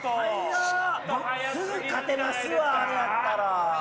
すぐ勝てますわあれやったら。